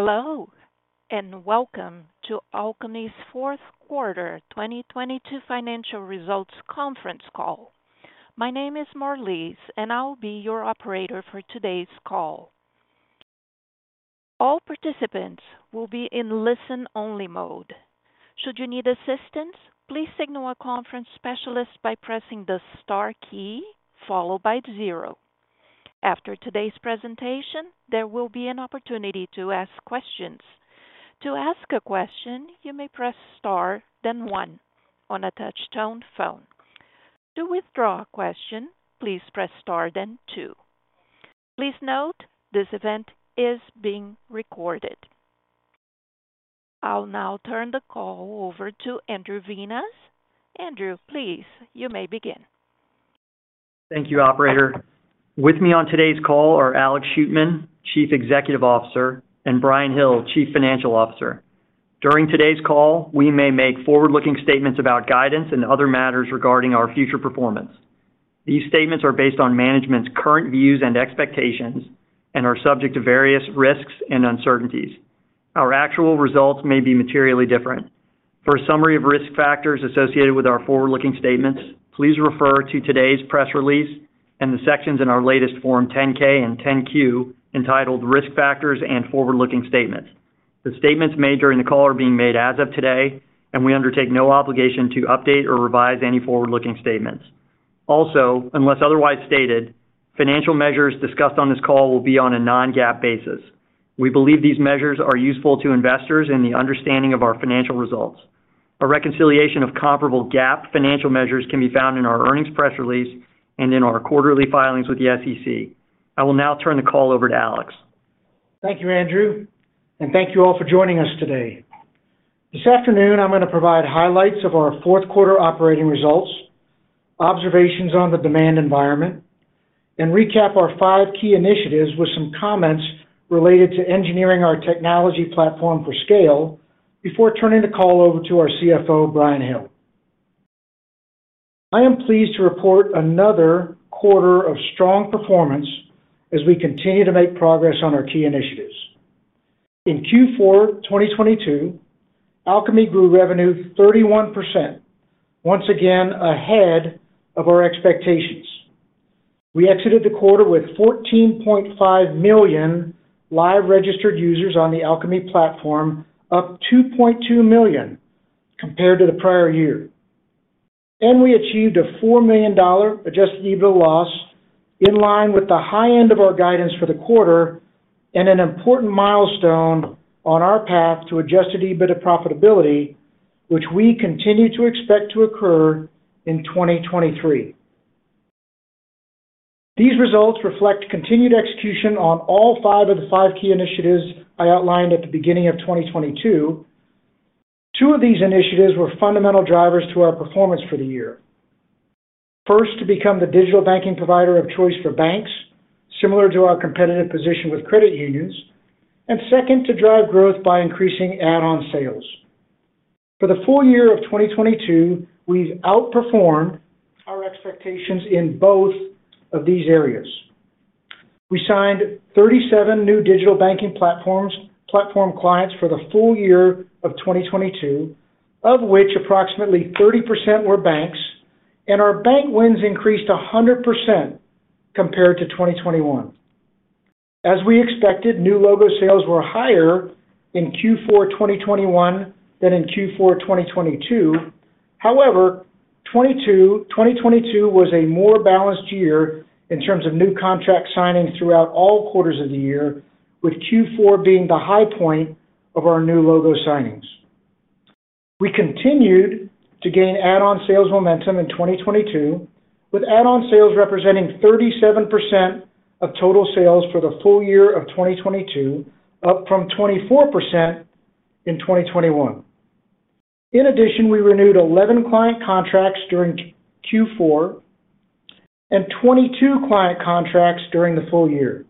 Hello, welcome to Alkami's Fourth Quarter, 2022 Financial Results Conference Call. My name is Marlise, I'll be your operator for today's call. All participants will be in listen-only mode. Should you need assistance, please signal a conference specialist by pressing the star key followed by zero. After today's presentation, there will be an opportunity to ask questions. To ask a question, you may press star then one on a touch tone phone. To withdraw a question, please press star then two. Please note this event is being recorded. I'll now turn the call over to Andrew Vinas. Andrew, please, you may begin. Thank you, operator. With me on today's call are Alex Shootman, Chief Executive Officer, and Bryan Hill, Chief Financial Officer. During today's call, we may make forward-looking statements about guidance and other matters regarding our future performance. These statements are based on management's current views and expectations and are subject to various risks and uncertainties. Our actual results may be materially different. For a summary of risk factors associated with our forward-looking statements, please refer to today's press release and the sections in our latest form 10-K and 10-Q entitled Risk Factors and Forward-Looking Statements. The statements made during the call are being made as of today, we undertake no obligation to update or revise any forward-looking statements. Also, unless otherwise stated, financial measures discussed on this call will be on a non-GAAP basis. We believe these measures are useful to investors in the understanding of our financial results. A reconciliation of comparable GAAP financial measures can be found in our earnings press release and in our quarterly filings with the SEC. I will now turn the call over to Alex. Thank you, Andrew, and thank you all for joining us today. This afternoon, I'm going to provide highlights of our fourth quarter operating results, observations on the demand environment, and recap our five key initiatives with some comments related to engineering our technology platform for scale before turning the call over to our CFO, Bryan Hill. I am pleased to report another quarter of strong performance as we continue to make progress on our key initiatives. In Q4 2022, Alkami grew revenue 31%, once again ahead of our expectations. We exited the quarter with 14.5 million live registered users on the Alkami platform, up 2.2 million compared to the prior year. We achieved a $4 million adjusted EBITDA loss in line with the high end of our guidance for the quarter and an important milestone on our path to adjusted EBITDA profitability, which we continue to expect to occur in 2023. These results reflect continued execution on all five of the five key initiatives I outlined at the beginning of 2022. Two of these initiatives were fundamental drivers to our performance for the year. First, to become the digital banking provider of choice for banks, similar to our competitive position with credit unions. Second, to drive growth by increasing add-on sales. For the full year of 2022, we've outperformed our expectations in both of these areas. We signed 37 new digital banking platforms, platform clients for the full year of 2022, of which approximately 30% were banks, and our bank wins increased 100% compared to 2021. As we expected, new logo sales were higher in Q4, 2021 than in Q4, 2022. However, 2022 was a more balanced year in terms of new contract signings throughout all quarters of the year, with Q4 being the high point of our new logo signings. We continued to gain add-on sales momentum in 2022, with add-on sales representing 37% of total sales for the full year of 2022, up from 24% in 2021. In addition, we renewed 11 client contracts during Q4 and 22 client contracts during the full year.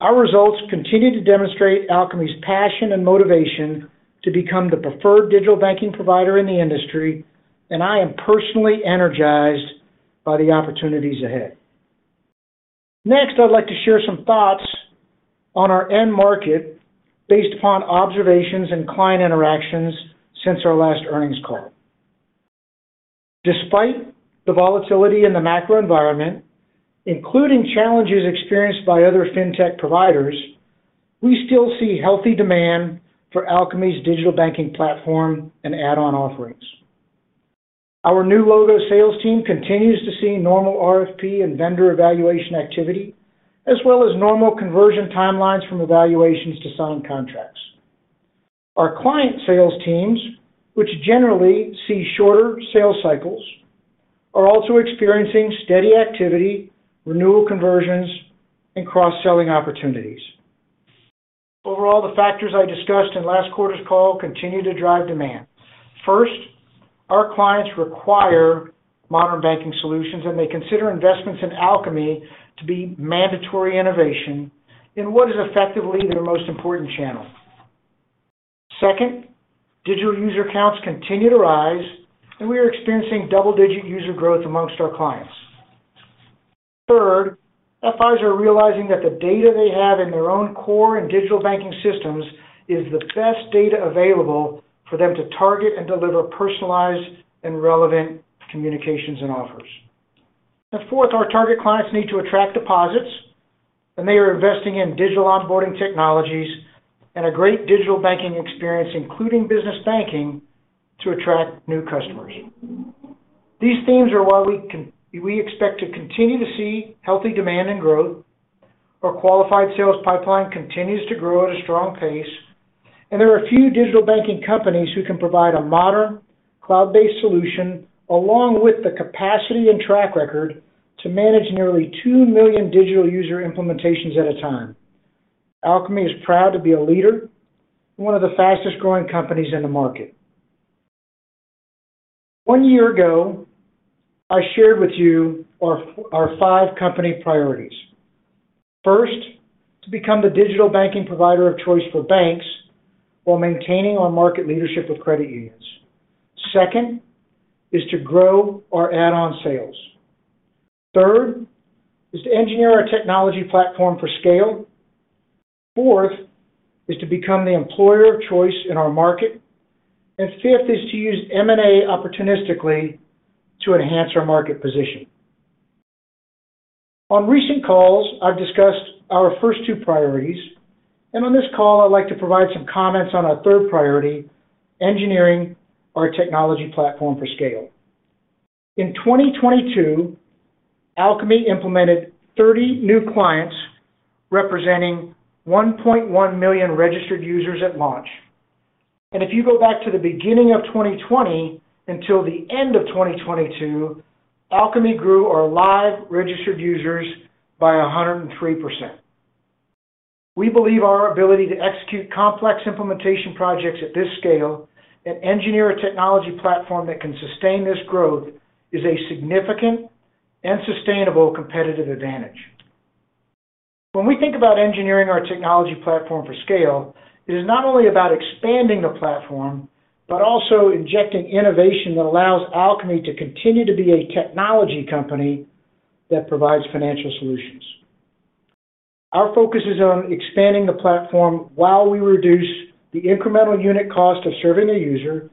Our results continue to demonstrate Alkami's passion and motivation to become the preferred digital banking provider in the industry. I am personally energized by the opportunities ahead. Next, I'd like to share some thoughts on our end market based upon observations and client interactions since our last earnings call. Despite the volatility in the macro environment, including challenges experienced by other fintech providers, we still see healthy demand for Alkami's digital banking platform and add-on offerings. Our new logo sales team continues to see normal RFP and vendor evaluation activity, as well as normal conversion timelines from evaluations to signed contracts. Our client sales teams, which generally see shorter sales cycles, are also experiencing steady activity, renewal conversions, and cross-selling opportunities. Overall, the factors I discussed in last quarter's call continue to drive demand. First, our clients require modern banking solutions. They consider investments in Alkami to be mandatory innovation in what is effectively their most important channel. Second, digital user counts continue to rise. We are experiencing double-digit user growth amongst our clients. Third, FIs are realizing that the data they have in their own core and digital banking systems is the best data available for them to target and deliver personalized and relevant communications and offers. Fourth, our target clients need to attract deposits, and they are investing in digital onboarding technologies and a great digital banking experience, including business banking, to attract new customers. These themes are why we expect to continue to see healthy demand and growth. Our qualified sales pipeline continues to grow at a strong pace. There are a few digital banking companies who can provide a modern cloud-based solution, along with the capacity and track record to manage nearly 2 million digital user implementations at a time. Alkami is proud to be a leader and one of the fastest-growing companies in the market. One year ago, I shared with you our five company priorities. First, to become the digital banking provider of choice for banks while maintaining our market leadership with credit unions. Second is to grow our add-on sales. Third is to engineer our technology platform for scale. Fourth is to become the employer of choice in our market. Fifth is to use M&A opportunistically to enhance our market position. On recent calls, I've discussed our first two priorities, on this call, I'd like to provide some comments on our third priority, engineering our technology platform for scale. In 2022, Alkami implemented 30 new clients representing 1.1 million registered users at launch. If you go back to the beginning of 2020 until the end of 2022, Alkami grew our live registered users by 103%. We believe our ability to execute complex implementation projects at this scale and engineer a technology platform that can sustain this growth is a significant and sustainable competitive advantage. When we think about engineering our technology platform for scale, it is not only about expanding the platform but also injecting innovation that allows Alkami to continue to be a technology company that provides financial solutions. Our focus is on expanding the platform while we reduce the incremental unit cost of serving a user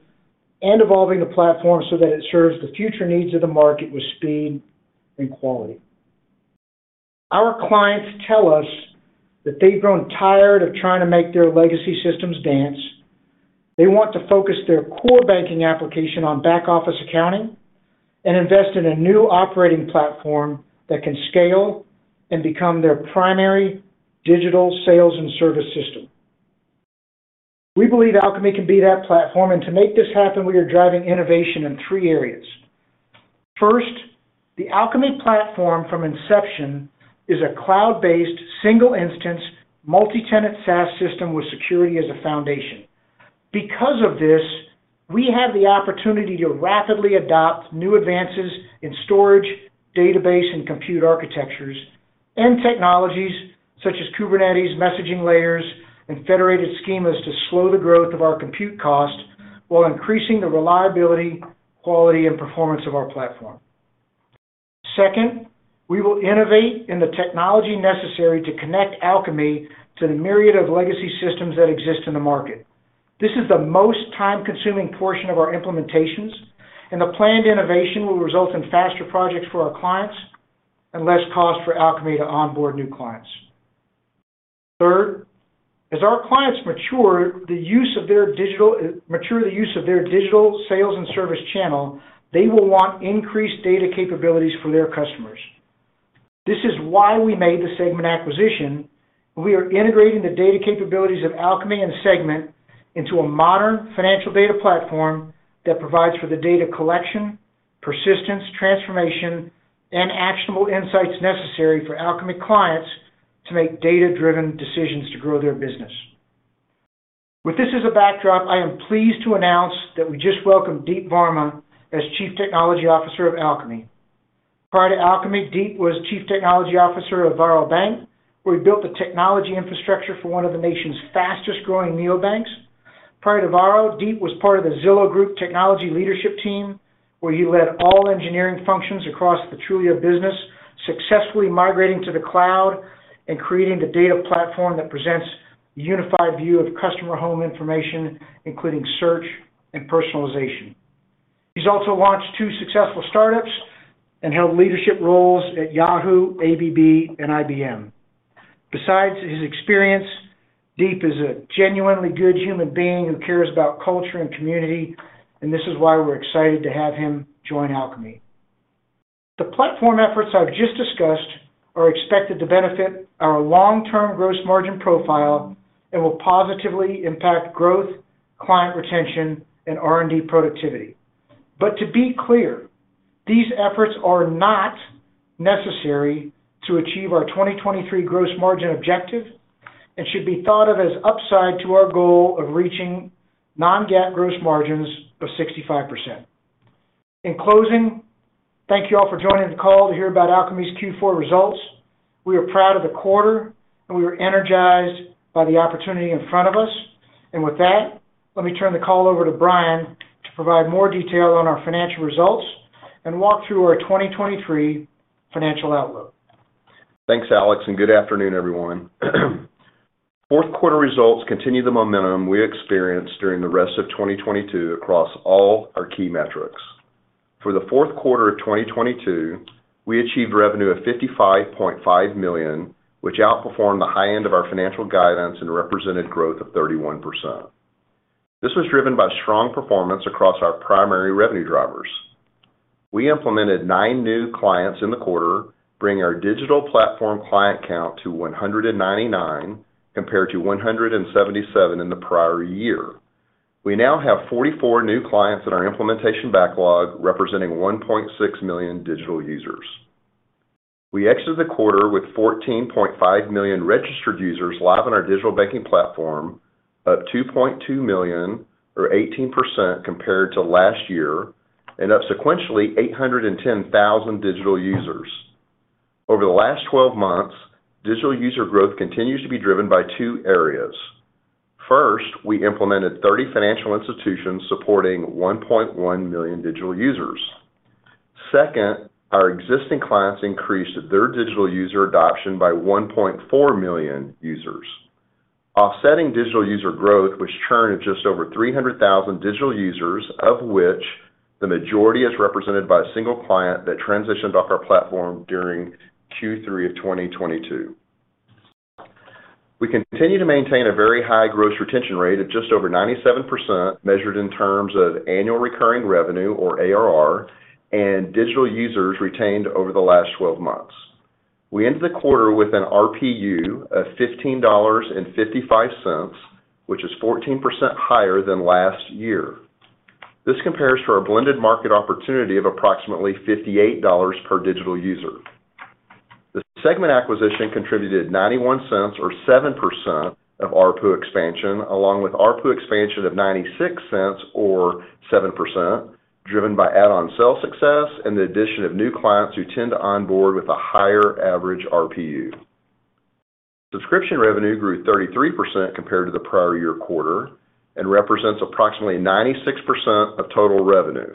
and evolving the platform so that it serves the future needs of the market with speed and quality. Our clients tell us that they've grown tired of trying to make their legacy systems dance. They want to focus their core banking application on back-office accounting and invest in a new operating platform that can scale and become their primary digital sales and service system. We believe Alkami can be that platform, and to make this happen, we are driving innovation in three areas. First, the Alkami platform from inception is a cloud-based, single-instance, multi-tenant SaaS system with security as a foundation. Of this, we have the opportunity to rapidly adopt new advances in storage, database, and compute architectures and technologies such as Kubernetes messaging layers and federated schemas to slow the growth of our compute cost while increasing the reliability, quality, and performance of our platform. Second, we will innovate in the technology necessary to connect Alkami to the myriad of legacy systems that exist in the market. This is the most time-consuming portion of our implementations, the planned innovation will result in faster projects for our clients and less cost for Alkami to onboard new clients. Third, as our clients mature the use of their digital sales and service channel, they will want increased data capabilities for their customers. This is why we made the Segmint acquisition. We are integrating the data capabilities of Alkami and Segmint into a modern financial data platform that provides for the data collection, persistence, transformation, and actionable insights necessary for Alkami clients to make data-driven decisions to grow their business. With this as a backdrop, I am pleased to announce that we just welcomed Deep Varma as Chief Technology Officer of Alkami. Prior to Alkami, Deep was Chief Technology Officer of Varo Bank, where he built the technology infrastructure for one of the nation's fastest-growing neobanks. Prior to Varo, Deep was part of the Zillow Group technology leadership team, where he led all engineering functions across the Trulia business, successfully migrating to the cloud and creating the data platform that presents a unified view of customer home information, including search and personalization. He's also launched two successful startups and held leadership roles at Yahoo, ABB, and IBM Besides his experience, Deep is a genuinely good human being who cares about culture and community. This is why we're excited to have him join Alkami. The platform efforts I've just discussed are expected to benefit our long-term gross margin profile and will positively impact growth, client retention, and R&D productivity. To be clear, these efforts are not necessary to achieve our 2023 gross margin objective and should be thought of as upside to our goal of reaching non-GAAP gross margins of 65%. In closing, thank you all for joining the call to hear about Alkami's Q4 results. We are proud of the quarter. We are energized by the opportunity in front of us. With that, let me turn the call over to Bryan to provide more detail on our financial results and walk through our 2023 financial outlook. Thanks, Alex. Good afternoon, everyone. Fourth quarter results continue the momentum we experienced during the rest of 2022 across all our key metrics. For the fourth quarter of 2022, we achieved revenue of $55.5 million, which outperformed the high end of our financial guidance and represented growth of 31%. This was driven by strong performance across our primary revenue drivers. We implemented 9 new clients in the quarter, bringing our digital platform client count to 199, compared to 177 in the prior year. We now have 44 new clients in our implementation backlog, representing 1.6 million digital users. We exited the quarter with 14.5 million registered users live on our digital banking platform, up 2.2 million or 18% compared to last year, and up sequentially 810,000 digital users. Over the last 12 months, digital user growth continues to be driven by two areas. First, we implemented 30 financial institutions supporting 1.1 million digital users. Second, our existing clients increased their digital user adoption by 1.4 million users. Offsetting digital user growth was churn of just over 300,000 digital users, of which the majority is represented by a single client that transitioned off our platform during Q3 of 2022. We continue to maintain a very high gross retention rate of just over 97% measured in terms of annual recurring revenue, or ARR, and digital users retained over the last 12 months. We ended the quarter with an RPU of $15.55, which is 14% higher than last year. This compares to our blended market opportunity of approximately $58 per digital user. The Segmint acquisition contributed $0.91 or 7% of RPU expansion, along with RPU expansion of $0.96 or 7%, driven by add-on sale success and the addition of new clients who tend to onboard with a higher average RPU. Subscription revenue grew 33% compared to the prior year quarter and represents approximately 96% of total revenue.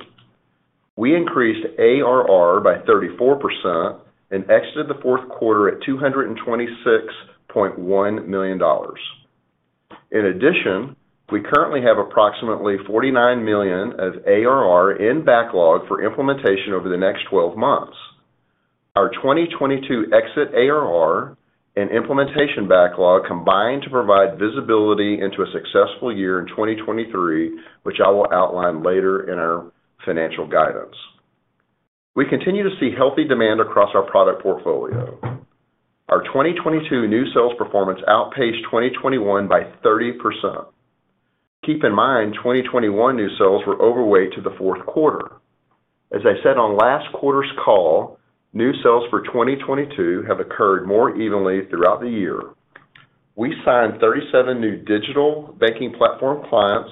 We increased ARR by 34% and exited the fourth quarter at $226.1 million. In addition, we currently have approximately $49 million of ARR in backlog for implementation over the next 12 months. Our 2022 exit ARR and implementation backlog combined to provide visibility into a successful year in 2023, which I will outline later in our financial guidance. We continue to see healthy demand across our product portfolio. Our 2022 new sales performance outpaced 2021 by 30%. Keep in mind, 2021 new sales were overweight to the fourth quarter. As I said on last quarter's call, new sales for 2022 have occurred more evenly throughout the year. We signed 37 new digital banking platform clients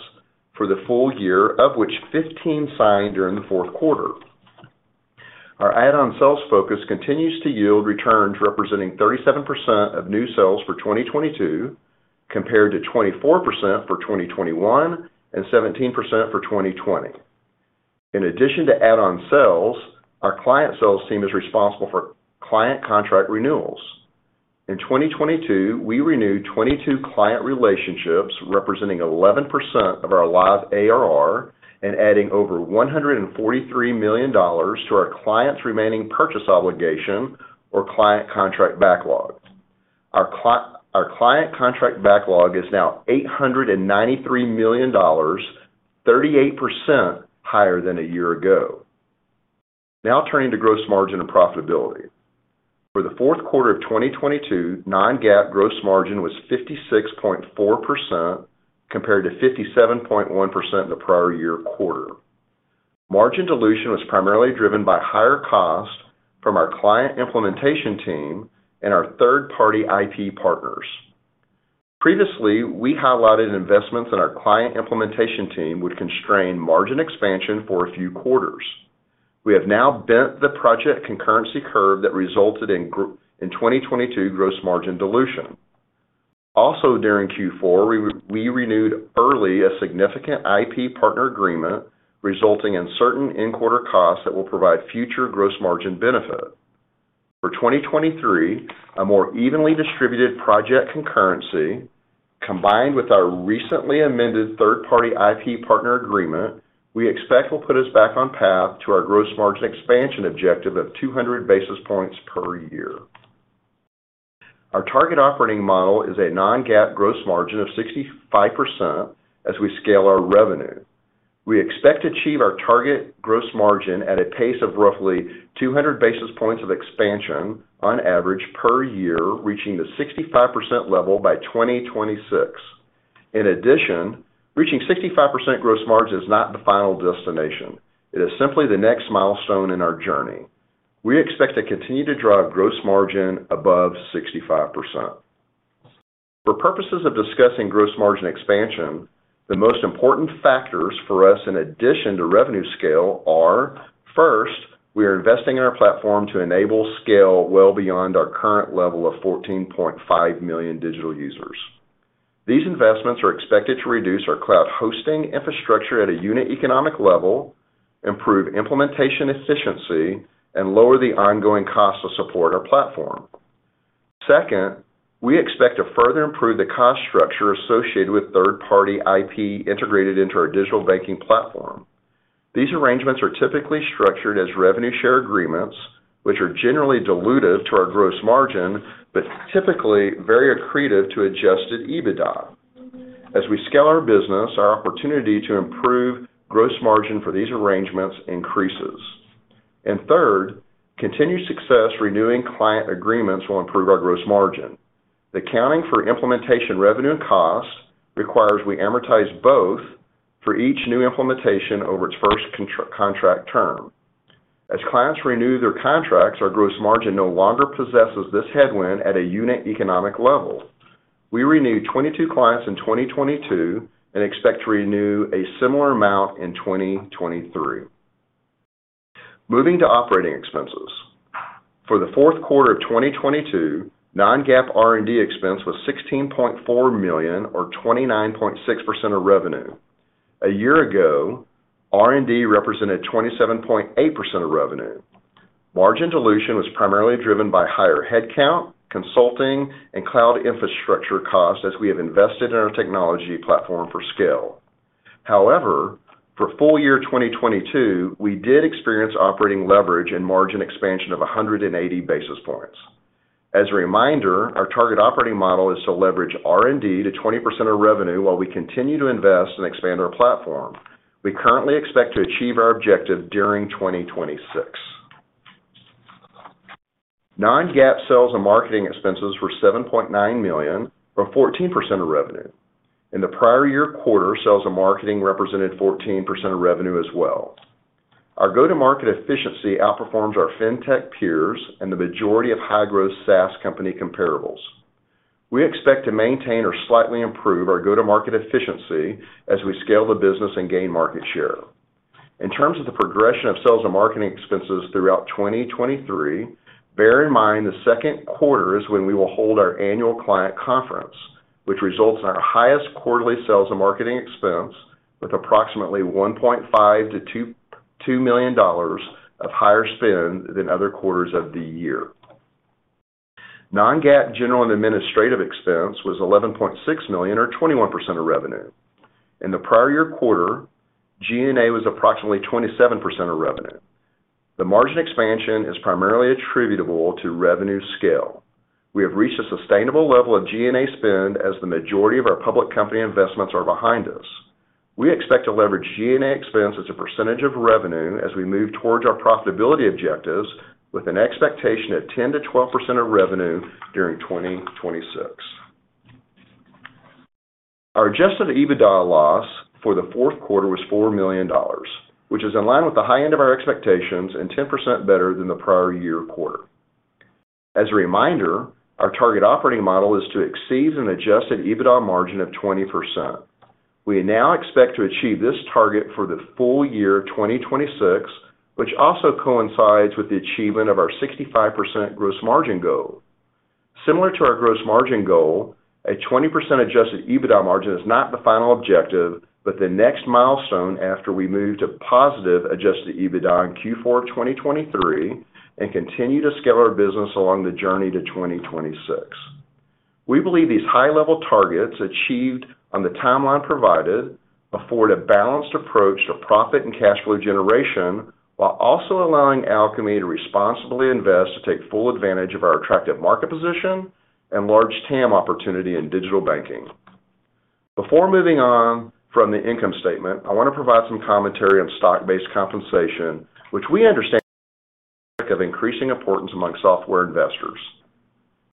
for the full year, of which 15 signed during the fourth quarter. Our add-on sales focus continues to yield returns representing 37% of new sales for 2022, compared to 24% for 2021 and 17% for 2020. In addition to add-on sales, our client sales team is responsible for client contract renewals. In 2022, we renewed 22 client relationships, representing 11% of our live ARR and adding over $143 million to our clients' remaining purchase obligation or client contract backlog. Our client contract backlog is now $893 million, 38% higher than a year ago. Turning to gross margin and profitability. For the fourth quarter of 2022, non-GAAP gross margin was 56.4% compared to 57.1% in the prior-year quarter. Margin dilution was primarily driven by higher costs from our client implementation team and our third-party IP partners. Previously, we highlighted investments in our client implementation team would constrain margin expansion for a few quarters. We have now bent the project concurrency curve that resulted in 2022 gross margin dilution. Also during Q4, we renewed early a significant IP partner agreement resulting in certain in-quarter costs that will provide future gross margin benefit. For 2023, a more evenly distributed project concurrency, combined with our recently amended third-party IP partner agreement, we expect will put us back on path to our gross margin expansion objective of 200 basis points per year. Our target operating model is a non-GAAP gross margin of 65% as we scale our revenue. We expect to achieve our target gross margin at a pace of roughly 200 basis points of expansion on average per year, reaching the 65% level by 2026. In addition, reaching 65% gross margin is not the final destination. It is simply the next milestone in our journey. We expect to continue to drive gross margin above 65%. For purposes of discussing gross margin expansion, the most important factors for us in addition to revenue scale are, first, we are investing in our platform to enable scale well beyond our current level of 14.5 million digital users. These investments are expected to reduce our cloud hosting infrastructure at a unit economic level, improve implementation efficiency, and lower the ongoing cost to support our platform. Second, we expect to further improve the cost structure associated with third-party IP integrated into our digital banking platform. These arrangements are typically structured as revenue share agreements, which are generally dilutive to our gross margin, but typically very accretive to adjusted EBITDA. As we scale our business, our opportunity to improve gross margin for these arrangements increases. Third, continued success renewing client agreements will improve our gross margin. The accounting for implementation revenue and cost requires we amortize both for each new implementation over its first contract term. Clients renew their contracts, our gross margin no longer possesses this headwind at a unit economic level. We renewed 22 clients in 2022 and expect to renew a similar amount in 2023. Moving to operating expenses. For the fourth quarter of 2022, non-GAAP R&D expense was $16.4 million or 29.6% of revenue. A year ago, R&D represented 27.8% of revenue. Margin dilution was primarily driven by higher headcount, consulting, and cloud infrastructure costs as we have invested in our technology platform for scale. For full year 2022, we did experience operating leverage and margin expansion of 180 basis points. As a reminder, our target operating model is to leverage R&D to 20% of revenue while we continue to invest and expand our platform. We currently expect to achieve our objective during 2026. Non-GAAP sales and marketing expenses were $7.9 million, or 14% of revenue. In the prior year quarter, sales and marketing represented 14% of revenue as well. Our go-to-market efficiency outperforms our fintech peers and the majority of high-growth SaaS company comparables. We expect to maintain or slightly improve our go-to-market efficiency as we scale the business and gain market share. In terms of the progression of sales and marketing expenses throughout 2023, bear in mind the second quarter is when we will hold our annual client conference, which results in our highest quarterly sales and marketing expense with approximately $1.5 million to $2.2 million of higher spend than other quarters of the year. Non-GAAP general and administrative expense was $11.6 million or 21% of revenue. In the prior year quarter, G&A was approximately 27% of revenue. The margin expansion is primarily attributable to revenue scale. We have reached a sustainable level of G&A spend as the majority of our public company investments are behind us. We expect to leverage G&A expense as a percentage of revenue as we move towards our profitability objectives with an expectation at 10% to 12% of revenue during 2026. Our adjusted EBITDA loss for the fourth quarter was $4 million, which is in line with the high end of our expectations and 10% better than the prior year quarter. As a reminder, our target operating model is to exceed an adjusted EBITDA margin of 20%. We now expect to achieve this target for the full year of 2026, which also coincides with the achievement of our 65% gross margin goal. Similar to our gross margin goal, a 20% adjusted EBITDA margin is not the final objective, but the next milestone after we move to positive adjusted EBITDA in Q4 of 2023 and continue to scale our business along the journey to 2026. We believe these high-level targets achieved on the timeline provided afford a balanced approach to profit and cash flow generation while also allowing Alkami to responsibly invest to take full advantage of our attractive market position and large TAM opportunity in digital banking. Before moving on from the income statement, I want to provide some commentary on stock-based compensation, which we understand is a metric of increasing importance among software investors.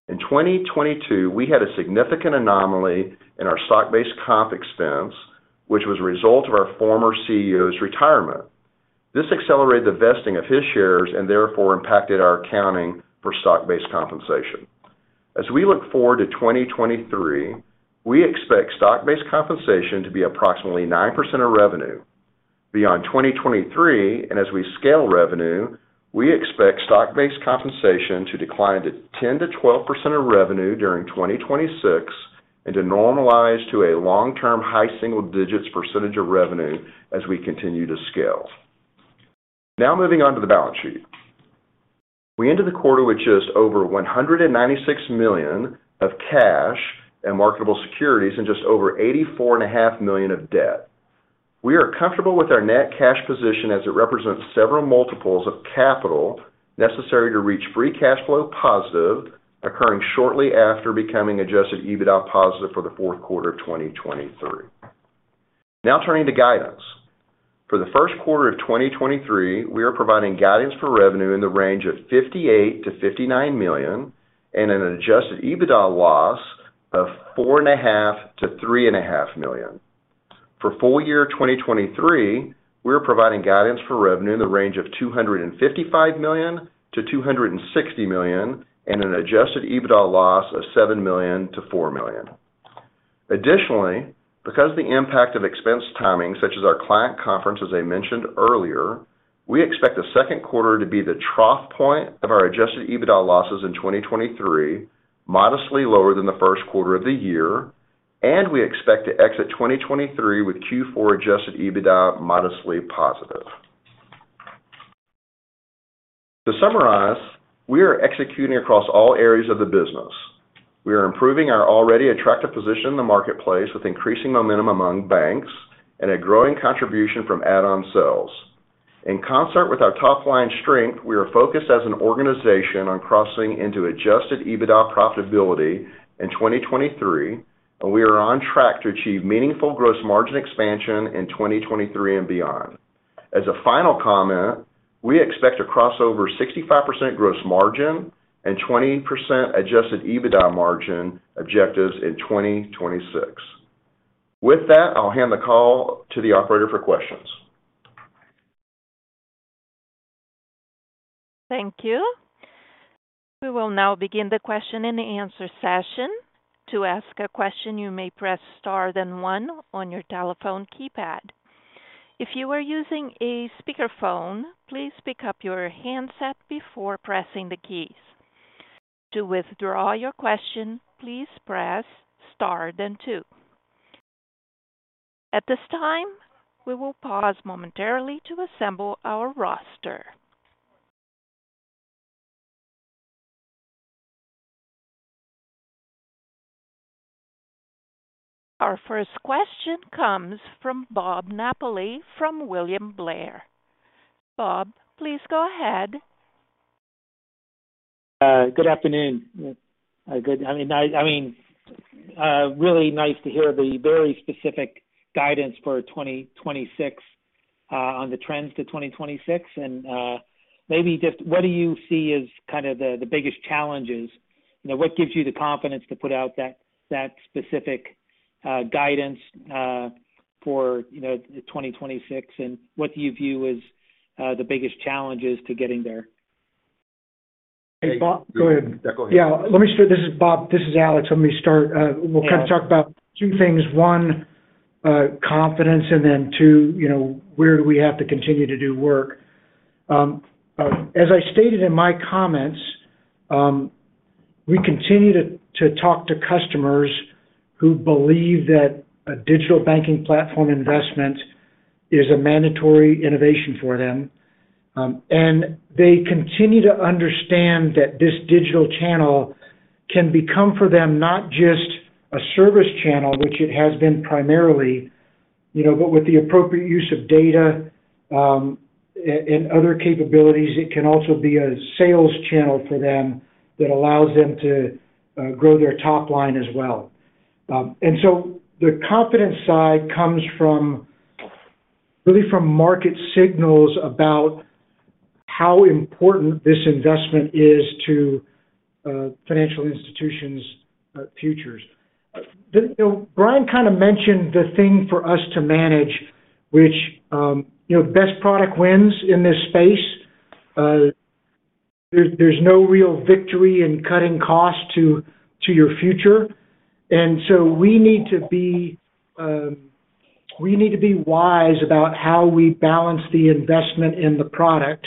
In 2022, we had a significant anomaly in our stock-based comp expense, which was a result of our former CEO's retirement. This accelerated the vesting of his shares and therefore impacted our accounting for stock-based compensation. As we look forward to 2023, we expect stock-based compensation to be approximately 9% of revenue. Beyond 2023, as we scale revenue, we expect stock-based compensation to decline to 10% to 12% of revenue during 2026 and to normalize to a long-term high single-digits % of revenue as we continue to scale. Moving on to the balance sheet. We ended the quarter with just over $196 million of cash and marketable securities and just over $84.5 million of debt. We are comfortable with our net cash position as it represents several multiples of capital necessary to reach free cash flow positive occurring shortly after becoming adjusted EBITDA positive for the fourth quarter of 2023. Turning to guidance. For the first quarter of 2023, we are providing guidance for revenue in the range of $58 million-$59 million and an adjusted EBITDA loss of four and a half to three and a half million. For full year 2023, we are providing guidance for revenue in the range of $255 million to $260 million and an adjusted EBITDA loss of $7 million-$4 million. Additionally, because the impact of expense timing, such as our client conference, as I mentioned earlier, we expect the second quarter to be the trough point of our adjusted EBITDA losses in 2023, modestly lower than the first quarter of the year, and we expect to exit 2023 with Q4 adjusted EBITDA modestly positive. To summarize, we are executing across all areas of the business. We are improving our already attractive position in the marketplace with increasing momentum among banks and a growing contribution from add-on sales. In concert with our top line strength, we are focused as an organization on crossing into adjusted EBITDA profitability in 2023, and we are on track to achieve meaningful gross margin expansion in 2023 and beyond. As a final comment, we expect to cross over 65% gross margin and 20% adjusted EBITDA margin objectives in 2026. With that, I'll hand the call to the operator for questions. Thank you. We will now begin the question and answer session. To ask a question, you may press star then one on your telephone keypad. If you are using a speakerphone, please pick up your handset before pressing the keys. To withdraw your question, please press star then two. At this time, we will pause momentarily to assemble our roster. Our first question comes from Bob Napoli from William Blair. Bob, please go ahead. Good afternoon. I mean, really nice to hear the very specific guidance for 2026, on the trends to 2026. Maybe just what do you see as kind of the biggest challenges? You know, what gives you the confidence to put out that specific guidance, for, you know, 2026? What do you view as the biggest challenges to getting there? Hey, Bob. Go ahead. Go ahead. Yeah. Let me start. This is Bob. This is Alex. Let me start. We'll kind of talk about two things. One, confidence, and then two, you know, where do we have to continue to do work. As I stated in my comments, we continue to talk to customers who believe that a digital banking platform investment is a mandatory innovation for them. They continue to understand that this digital channel can become for them not just a service channel, which it has been primarily, you know, but with the appropriate use of data, and other capabilities, it can also be a sales channel for them that allows them to grow their top line as well. The confidence side comes from, really from market signals about how important this investment is to financial institutions' futures. You know, Bryan kind of mentioned the thing for us to manage which, you know, best product wins in this space. There's no real victory in cutting costs to your future. We need to be wise about how we balance the investment in the product,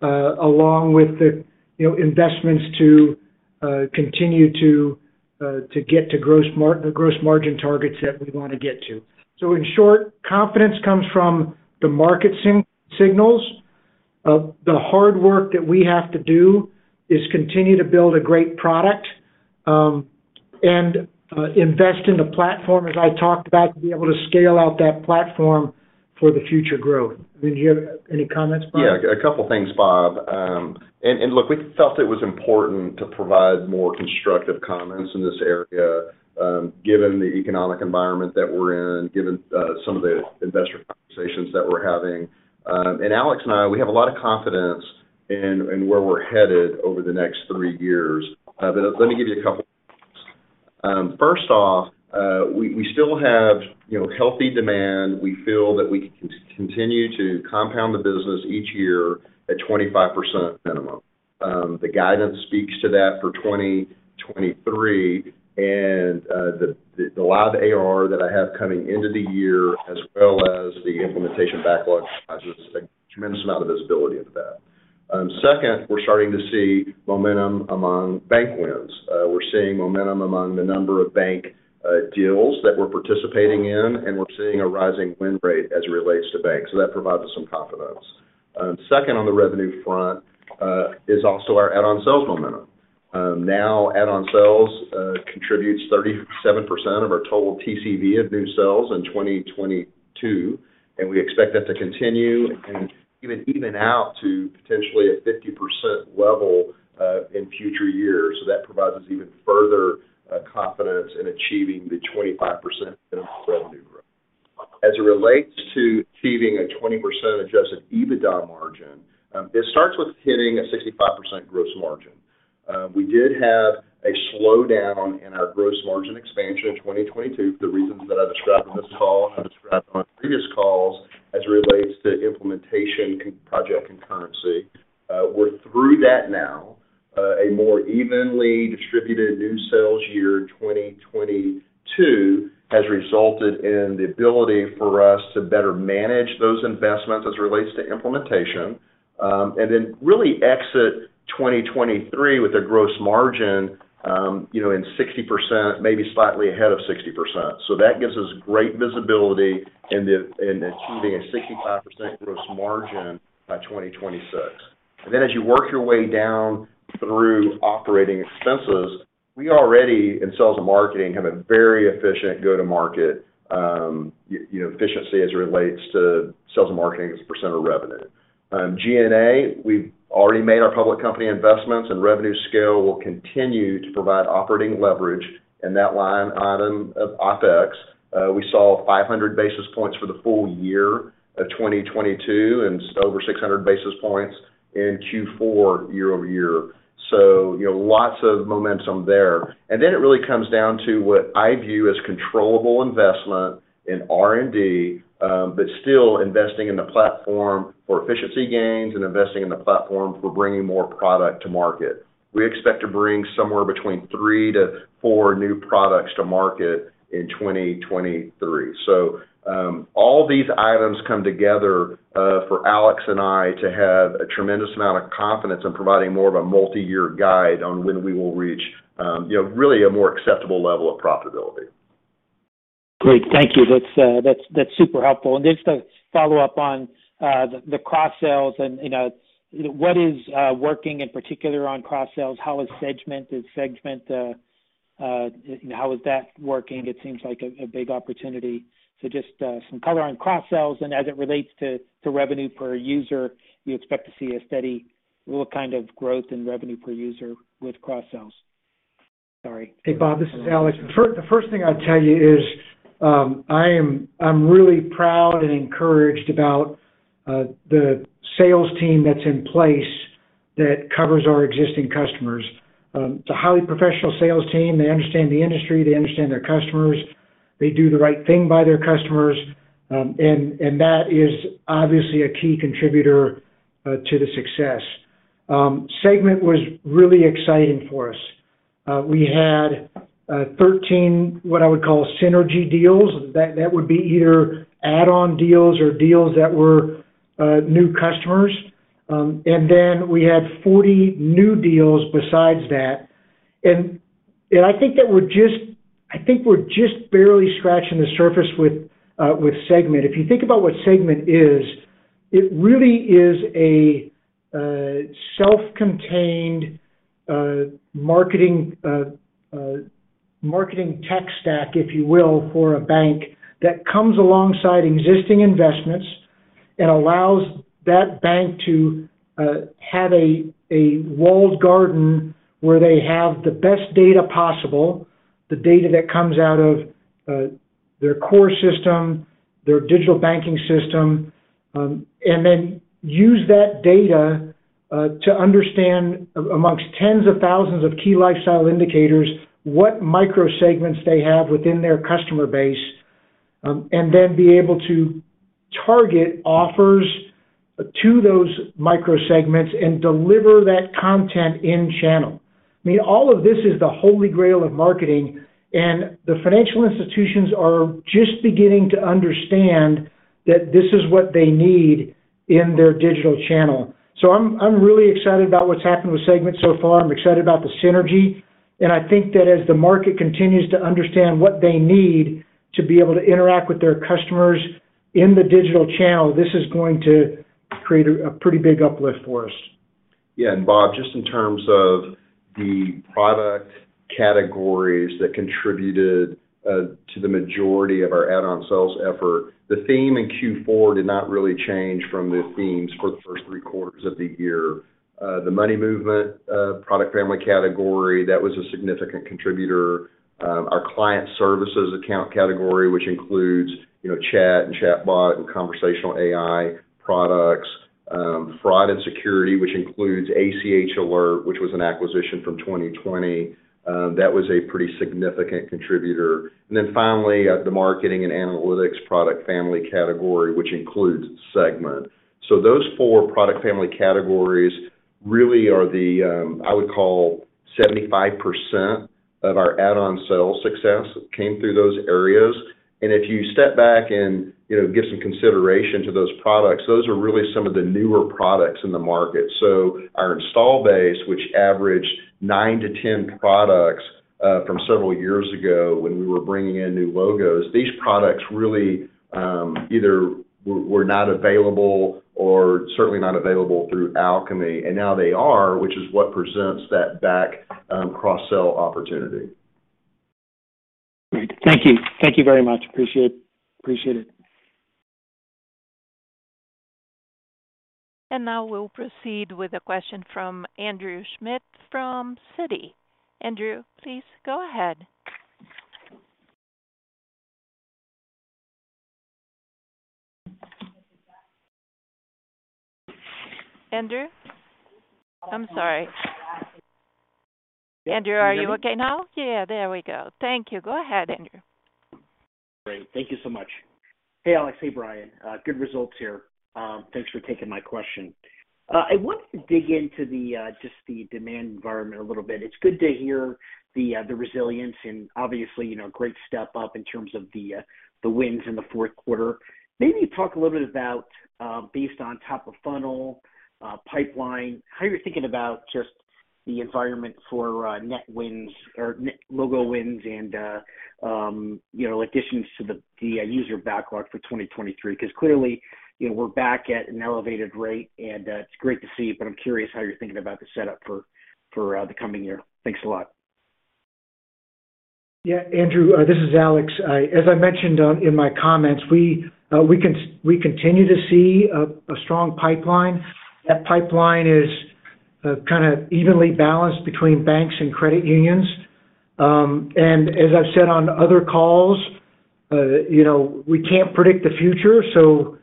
along with the, you know, investments to continue to get to the gross margin targets that we want to get to. In short, confidence comes from the market signals. The hard work that we have to do is continue to build a great product, and invest in the platform, as I talked about, to be able to scale out that platform for the future growth. Did you have any comments, Bryan? Yeah, a couple things, Bob. Look, we felt it was important to provide more constructive comments in this area, given the economic environment that we're in, given some of the investor conversations that we're having. Alex and I, we have a lot of confidence in where we're headed over the next three years. Let me give you a couple. First off, we still have, you know, healthy demand. We feel that we can continue to compound the business each year at 25% minimum. The guidance speaks to that for 2023, and the live AR that I have coming into the year as well as the implementation backlog sizes, a tremendous amount of visibility into that. Second, we're starting to see momentum among bank wins. We're seeing momentum among the number of bank deals that we're participating in, and we're seeing a rising win rate as it relates to banks. That provides us some confidence. Second on the revenue front is also our add-on sales momentum. Add-on sales contributes 37% of our total TCV of new sales in 2022, and we expect that to continue and even out to potentially a 50% level in future years. That provides us even further confidence in achieving the 25% minimum revenue growth. As it relates to achieving a 20% adjusted EBITDA margin, it starts with hitting a 65% gross margin. We did have a slowdown in our gross margin expansion in 2022 for the reasons that I described on this call and I described on previous calls as it relates to implementation project concurrency. We're through that now. A more evenly distributed new sales year 2022 has resulted in the ability for us to better manage those investments as it relates to implementation. Really exit 2023 with a gross margin, you know, in 60%, maybe slightly ahead of 60%. That gives us great visibility in the, in achieving a 65% gross margin by 2026. As you work your way down through operating expenses, we already, in sales and marketing, have a very efficient go-to-market, you know, efficiency as it relates to sales and marketing as a percent of revenue. G&A, we've already made our public company investments, and revenue scale will continue to provide operating leverage in that line item of OpEx. We saw 500 basis points for the full year of 2022 and over 600 basis points in Q4 year-over-year. You know, lots of momentum there. It really comes down to what I view as controllable investment in R&D, but still investing in the platform for efficiency gains and investing in the platform for bringing more product to market. We expect to bring somewhere between three to four new products to market in 2023. All these items come together for Alex and I to have a tremendous amount of confidence in providing more of a multiyear guide on when we will reach, you know, really a more acceptable level of profitability. Great. Thank you. That's, that's super helpful. Just to follow up on, the cross-sales and, you know, what is working in particular on cross-sales? How is Segmint? Is Segmint, you know, how is that working? It seems like a big opportunity. Just, some color on cross-sales and as it relates to revenue per user, you expect to see a steady what kind of growth in revenue per user with cross-sales? Sorry. Hey, Bob, this is Alex. The first thing I'll tell you is, I'm really proud and encouraged about the sales team that's in place that covers our existing customers. It's a highly professional sales team. They understand the industry. They understand their customers. They do the right thing by their customers. That is obviously a key contributor to the success. Segmint was really exciting for us. We had 13, what I would call synergy deals. That would be either add-on deals or deals that were new customers. We had 40 new deals besides that. I think that we're just barely scratching the surface with Segmint. If you think about what Segmint is, it really is a self-contained marketing tech stack, if you will, for a bank that comes alongside existing investments and allows that bank to have a walled garden where they have the best data possible, the data that comes out of their core system, their digital banking system, and then use that data to understand amongst tens of thousands of key lifestyle indicators, what micro-segments they have within their customer base, and then be able to target offers to those micro-segments and deliver that content in-channel. I mean, all of this is the holy grail of marketing, and the financial institutions are just beginning to understand that this is what they need in their digital channel. I'm really excited about what's happened with Segmint so far. I'm excited about the synergy. I think that as the market continues to understand what they need to be able to interact with their customers in the digital channel, this is going to create a pretty big uplift for us. Yeah. Bob, just in terms of the product categories that contributed to the majority of our add-on sales effort, the theme in Q4 did not really change from the themes for the first three quarters of the year. The money movement product family category, that was a significant contributor. Our client services account category, which includes, you know, chat and chatbot and conversational AI products. Fraud and security, which includes ACH Alert, which was an acquisition from 2020. That was a pretty significant contributor. Then finally, the marketing and analytics product family category, which includes Segmint. Those four product family categories really are the, I would call 75% of our add-on sales success came through those areas. If you step back and, you know, give some consideration to those products, those are really some of the newer products in the market. Our install base, which averaged 9 to 10 products, from several years ago when we were bringing in new logos, these products really, either were not available or certainly not available through Alkami. Now they are, which is what presents that back, cross-sell opportunity. Great. Thank you. Thank you very much. Appreciate it. Now we'll proceed with a question from Andrew Schmidt from Citi. Andrew, please go ahead. Andrew, I'm sorry. Andrew, are you okay now? Yeah, there we go. Thank you. Go ahead, Andrew. Great. Thank you so much. Hey, Alex. Hey, Bryan. Good results here. Thanks for taking my question. I wanted to dig into the just the demand environment a little bit. It's good to hear the the resilience and obviously, you know, great step up in terms of the the wins in the fourth quarter. Maybe talk a little bit about based on top of funnel pipeline, how you're thinking about just the environment for net wins or net logo wins and, you know, additions to the the user backlog for 2023. 'Cause clearly, you know, we're back at an elevated rate, and it's great to see. I'm curious how you're thinking about the setup for for the coming year. Thanks a lot. Andrew, this is Alex. As I mentioned, in my comments, we continue to see a strong pipeline. That pipeline is kind of evenly balanced between banks and credit unions. As I've said on other calls, you know, we can't predict the future, so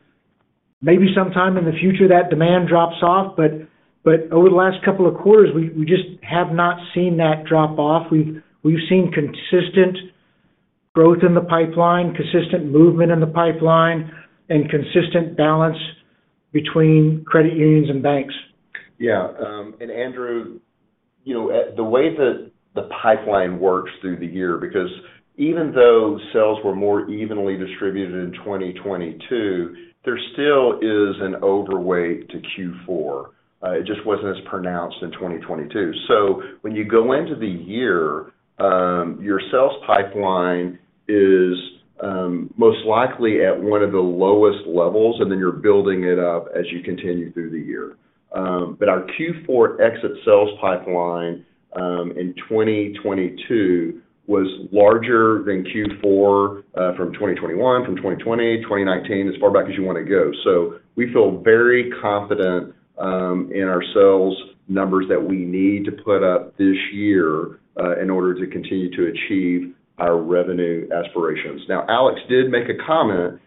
maybe sometime in the future that demand drops off. Over the last couple of quarters, we just have not seen that drop off. We've seen consistent growth in the pipeline, consistent movement in the pipeline, and consistent balance between credit unions and banks. Yeah. Andrew, you know, the way that the pipeline works through the year, because even though sales were more evenly distributed in 2022, there still is an overweight to Q4. It just wasn't as pronounced in 2022. When you go into the year, your sales pipeline is most likely at one of the lowest levels, and then you're building it up as you continue through the year. Our Q4 exit sales pipeline in 2022 was larger than Q4 from 2021, from 2020, 2019, as far back as you wanna go. We feel very confident in our sales numbers that we need to put up this year in order to continue to achieve our revenue aspirations. Alex did make a comment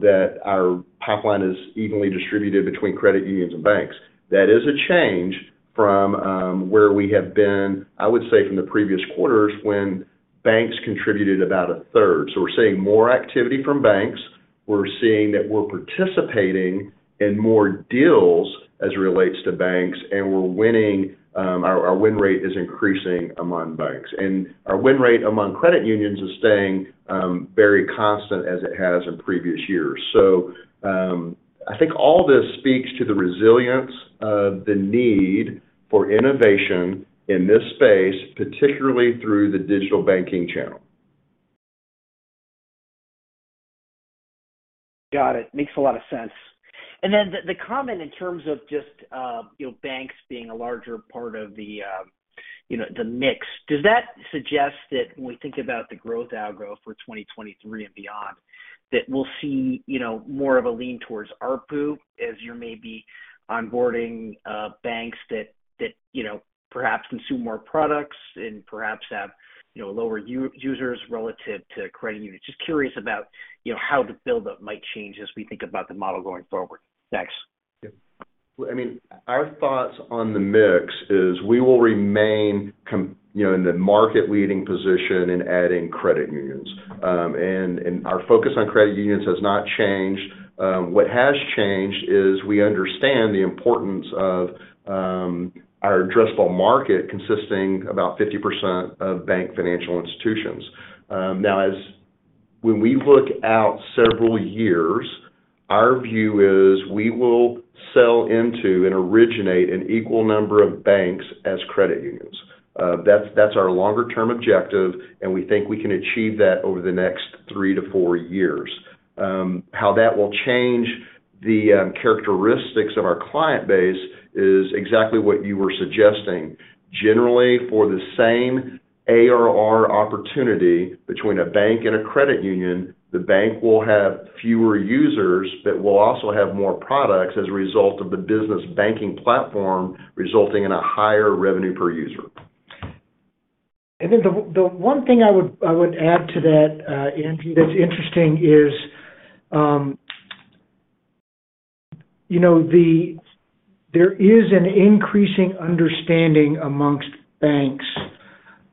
that our pipeline is evenly distributed between credit unions and banks. That is a change from where we have been, I would say, from the previous quarters when banks contributed about a third. We're seeing more activity from banks. We're seeing that we're participating in more deals as it relates to banks, and we're winning, our win rate is increasing among banks. Our win rate among credit unions is staying very constant as it has in previous years. I think all this speaks to the resilience of the need for innovation in this space, particularly through the digital banking channel. Got it. Makes a lot of sense. The comment in terms of just, you know, banks being a larger part of the, you know, the mix, does that suggest that when we think about the growth outgrow for 2023 and beyond, that we'll see, you know, more of a lean towards ARPU as you may be onboarding, banks that, you know, perhaps consume more products and perhaps have, you know, lower users relative to credit unions? Just curious about, you know, how the buildup might change as we think about the model going forward. Thanks. Yeah. Well, I mean, our thoughts on the mix is we will remain you know, in the market leading position in adding credit unions. Our focus on credit unions has not changed. What has changed is we understand the importance of our addressable market consisting about 50% of bank financial institutions. When we look out several years, our view is we will sell into and originate an equal number of banks as credit unions. That's our longer term objective, and we think we can achieve that over the next three to four years. How that will change the characteristics of our client base is exactly what you were suggesting. Generally, for the same ARR opportunity between a bank and a credit union, the bank will have fewer users but will also have more products as a result of the business banking platform, resulting in a higher revenue per user. The one thing I would add to that, Andrew, that's interesting is, you know, there is an increasing understanding amongst banks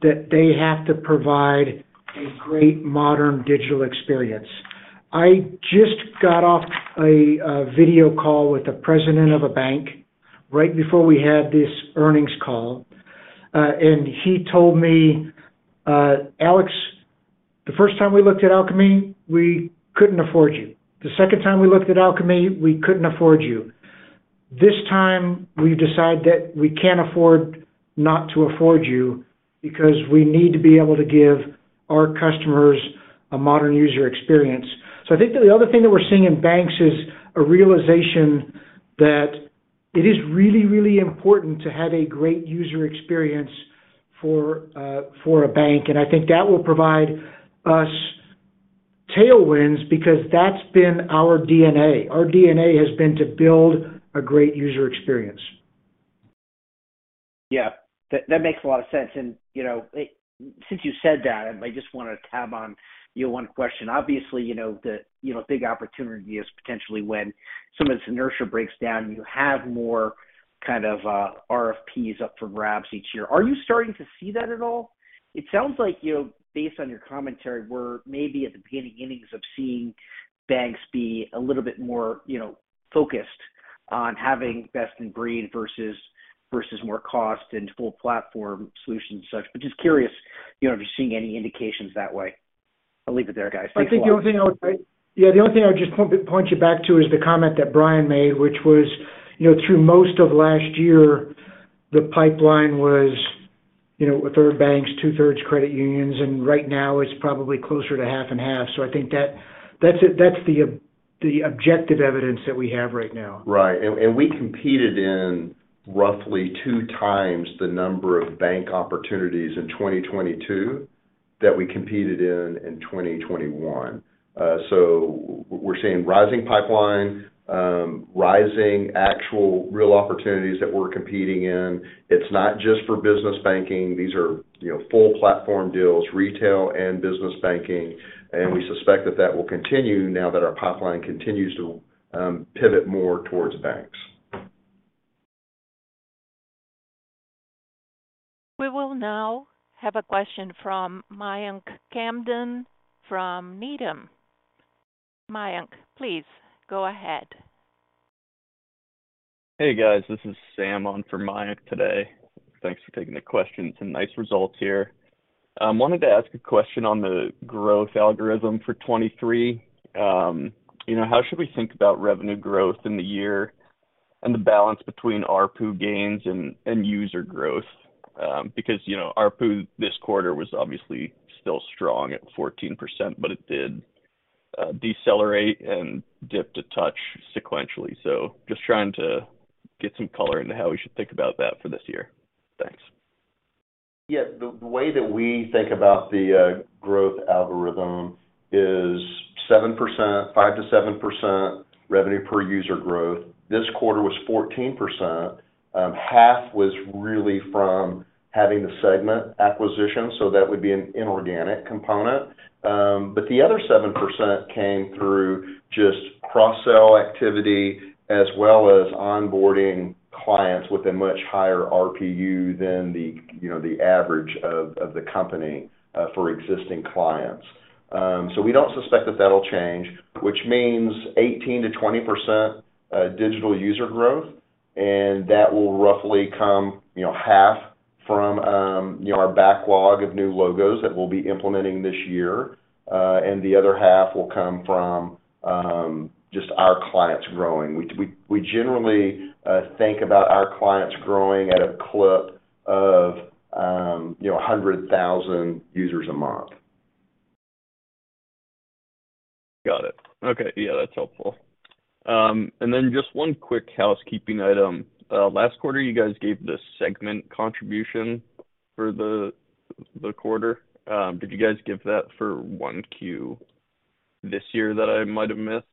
that they have to provide a great modern digital experience. I just got off a video call with the president of a bank right before we had this earnings call. He told me, "Alex, the first time we looked at Alkami, we couldn't afford you. The second time we looked at Alkami, we couldn't afford you. This time we've decided that we can't afford not to afford you because we need to be able to give our customers a modern user experience." I think that the other thing that we're seeing in banks is a realization that it is really, really important to have a great user experience for a bank. I think that will provide us tailwinds because that's been our DNA. Our DNA has been to build a great user experience. Yeah, that makes a lot of sense. You know, since you said that, I just wanna tab on, you know, one question. Obviously, you know, the, you know, big opportunity is potentially when some of this inertia breaks down, you have more kind of RFPs up for grabs each year. Are you starting to see that at all? It sounds like, you know, based on your commentary, we're maybe at the beginning innings of seeing banks be a little bit more, you know, focused on having best-in-breed versus more cost and full platform solutions such. Just curious, you know, if you're seeing any indications that way. I'll leave it there, guys. Thanks a lot. I think the only thing I would say. Yeah, the only thing I would just point you back to is the comment that Bryan made, which was, you know, through most of last year, the pipeline was, you know, a third banks, two-thirds credit unions, and right now it's probably closer to half and half. I think that's it. That's the objective evidence that we have right now. Right. We competed in roughly two times the number of bank opportunities in 2022 that we competed in in 2021. We're seeing rising pipeline, rising actual real opportunities that we're competing in. It's not just for business banking. These are, you know, full platform deals, retail and business banking. We suspect that that will continue now that our pipeline continues to pivot more towards banks. We will now have a question from Mayank Tandon from Needham. Mayank, please go ahead. Hey, guys. This is Sam on for Mayank today. Thanks for taking the question. Some nice results here. Wanted to ask a question on the growth algorithm for 2023. You know, how should we think about revenue growth in the year and the balance between ARPU gains and user growth? Because, you know, ARPU this quarter was obviously still strong at 14%, but it did decelerate and dip to touch sequentially. Just trying to get some color into how we should think about that for this year. Thanks. Yeah. The way that we think about the growth algorithm is 7%, 5%-7% revenue per user growth. This quarter was 14%, half was really from having the Segmint acquisition, so that would be an inorganic component. The other 7% came through just cross-sell activity as well as onboarding clients with a much higher RPU than, you know, the average of the company for existing clients. We don't suspect that that'll change, which means 18%-20% digital user growth, and that will roughly come, you know, half from, you know, our backlog of new logos that we'll be implementing this year, and the other half will come from just our clients growing. We generally think about our clients growing at a clip of, you know, 100,000 users a month. Got it. Okay. Yeah, that's helpful. Then just one quick housekeeping item. Last quarter, you guys gave the segment contribution for the quarter. Did you guys give that for one Q this year that I might have missed?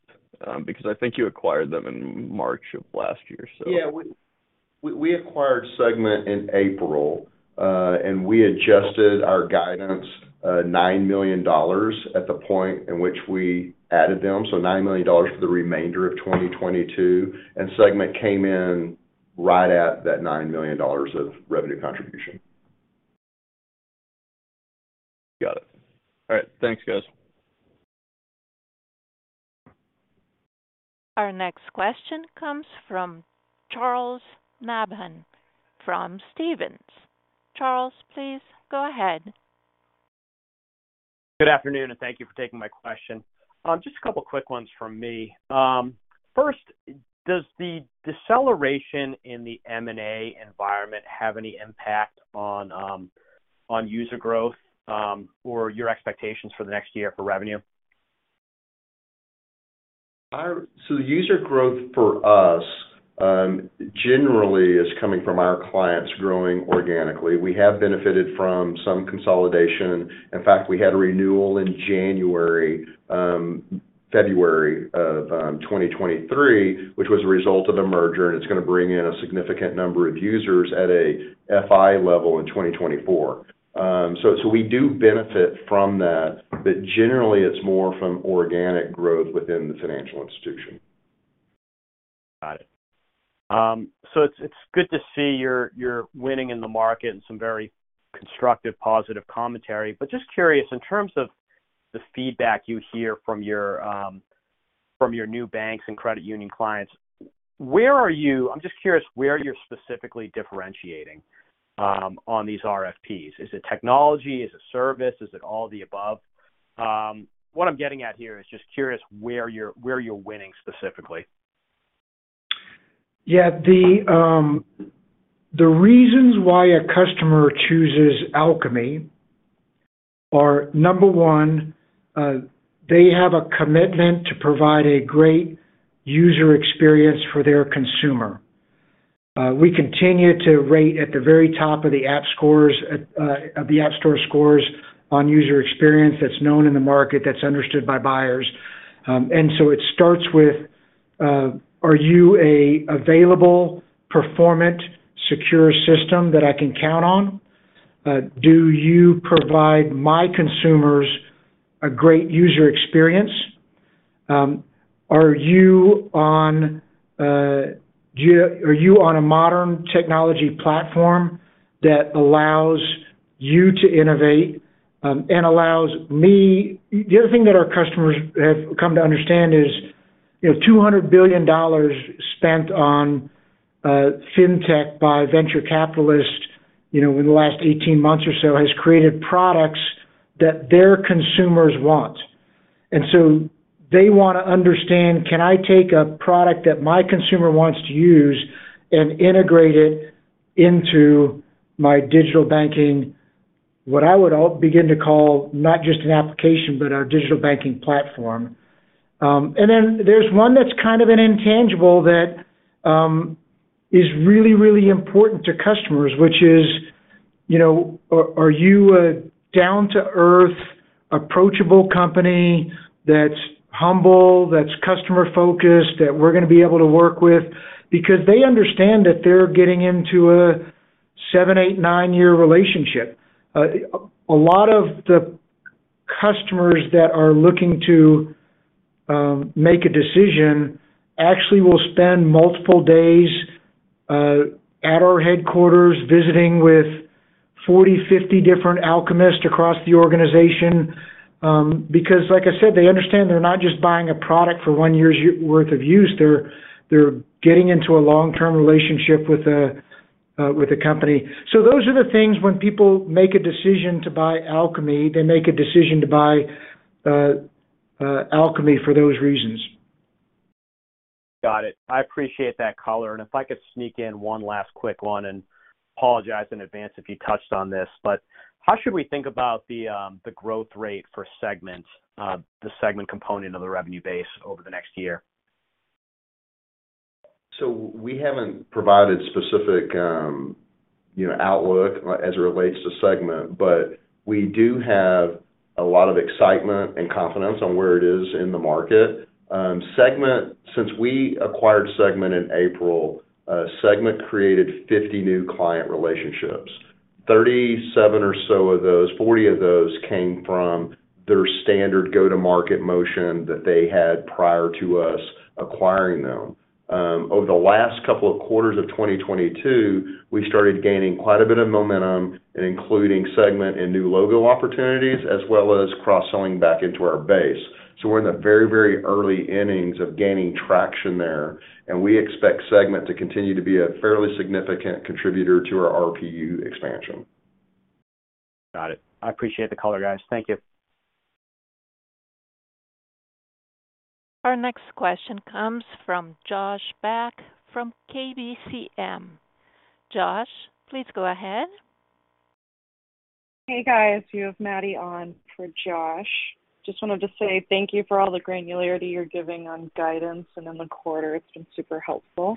I think you acquired them in March of last year. Yeah. We acquired Segmint in April, and we adjusted our guidance $9 million at the point in which we added them. $9 million for the remainder of 2022, and Segmint came in right at that $9 million of revenue contribution. Got it. All right. Thanks, guys. Our next question comes from Charles Nabhan from Stephens. Charles, please go ahead. Good afternoon, thank you for taking my question. Just a couple quick ones from me. First, does the deceleration in the M&A environment have any impact on user growth, or your expectations for the next year for revenue? The user growth for us, generally is coming from our clients growing organically. We have benefited from some consolidation. In fact, we had a renewal in January, February of 2023, which was a result of a merger, and it's gonna bring in a significant number of users at a FI level in 2024. We do benefit from that, but generally it's more from organic growth within the financial institution. Got it. It's good to see you're winning in the market and some very constructive positive commentary. Just curious, in terms of the feedback you hear from your from your neobanks and credit union clients, I'm just curious where you're specifically differentiating on these RFPs. Is it technology? Is it service? Is it all the above? What I'm getting at here is just curious where you're winning specifically. Yeah. The reasons why a customer chooses Alkami are, number 1, they have a commitment to provide a great user experience for their consumer. We continue to rate at the very top of the app store scores on user experience that's known in the market, that's understood by buyers. It starts with, are you a available performant secure system that I can count on? Do you provide my consumers a great user experience? Are you on a modern technology platform that allows you to innovate, and allows me... The other thing that our customers have come to understand is, you know, $200 billion spent on fintech by venture capitalists, you know, over the last 18 months or so, has created products that their consumers want. They wanna understand, can I take a product that my consumer wants to use and integrate it into my digital banking, what I would begin to call not just an application, but our digital banking platform. Then there's one that's kind of an intangible that is really important to customers, which is, you know, are you a down-to-earth, approachable company that's humble, that's customer-focused, that we're gonna be able to work with? Because they understand that they're getting into a seven, eight, nine-year relationship. A lot of the customers that are looking to make a decision actually will spend multiple days at our headquarters visiting with 40, 50 different Alkamists across the organization. Because like I said, they understand they're not just buying a product for one year's worth of use. They're getting into a long-term relationship with a company. Those are the things when people make a decision to buy Alkami, they make a decision to buy Alkami for those reasons. Got it. I appreciate that color. If I could sneak in one last quick one, and apologize in advance if you touched on this, but how should we think about the growth rate for Segmint, the Segmint component of the revenue base over the next year? We haven't provided specific, you know, outlook as it relates to Segmint, but we do have a lot of excitement and confidence on where it is in the market. Segmint, since we acquired Segmint in April, Segmint created 50 new client relationships. 37 or so of those, 40 of those came from their standard go-to-market motion that they had prior to us acquiring them. Over the last couple of quarters of 2022, we started gaining quite a bit of momentum and including Segmint in new logo opportunities, as well as cross-selling back into our base. We're in the very, very early innings of gaining traction there, and we expect Segmint to continue to be a fairly significant contributor to our RPU expansion. Got it. I appreciate the color, guys. Thank you. Our next question comes from Josh Beck from KBCM. Josh, please go ahead. Hey, guys, you have Maddie on for Josh. Just wanted to say thank you for all the granularity you're giving on guidance and in the quarter. It's been super helpful.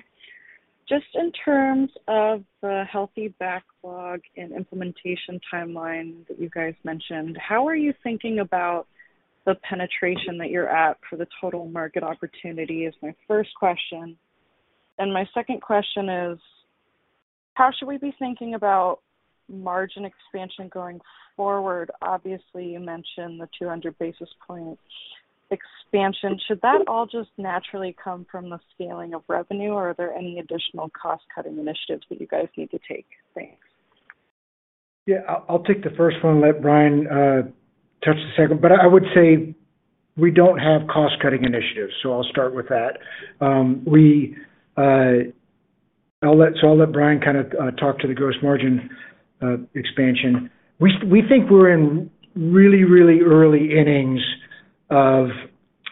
Just in terms of the healthy backlog and implementation timeline that you guys mentioned, how are you thinking about the penetration that you're at for the total market opportunity, is my first question. My second question is: how should we be thinking about margin expansion going forward? Obviously, you mentioned the 200 basis points expansion. Should that all just naturally come from the scaling of revenue, or are there any additional cost-cutting initiatives that you guys need to take? Thanks. Yeah. I'll take the first one and let Bryan touch the second. I would say we don't have cost-cutting initiatives, so I'll start with that. We. I'll let Bryan kind of talk to the gross margin expansion. We think we're in really, really early innings of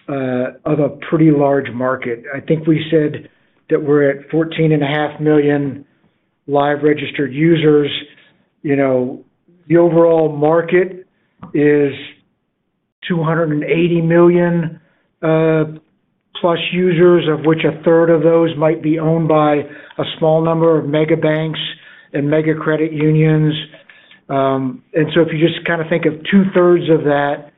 a pretty large market. I think we said that we're at 14.5 million live registered users. You know, the overall market is 280 million plus users, of which a third of those might be owned by a small number of mega banks and mega credit unions. If you just kind of think of two-thirds of that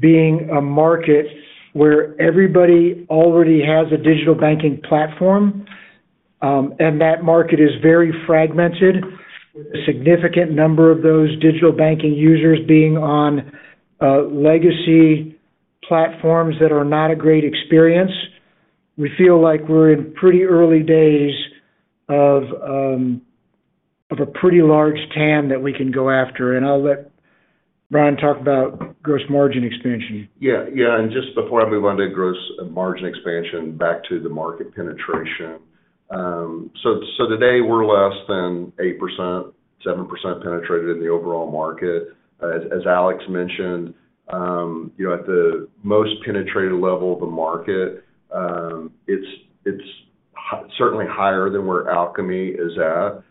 being a market where everybody already has a digital banking platform, and that market is very fragmented, with a significant number of those digital banking users being on legacy platforms that are not a great experience. We feel like we're in pretty early days of a pretty large TAM that we can go after. I'll let Bryan talk about gross margin expansion. Yeah. Yeah. Just before I move on to gross margin expansion, back to the market penetration. Today we're less than 8%, 7% penetrated in the overall market. As Alex mentioned, you know, at the most penetrated level of the market, it's certainly higher than where Alkami is at.